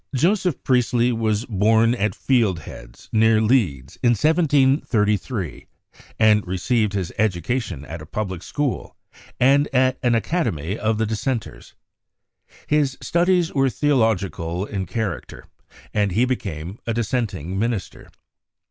Joseph Priestley was born at Fieldheads, near Leeds, in 1733, and received his education at a public school and at an academy of the Dissenters. His studies were theo logical in character, and he became a dissenting minister.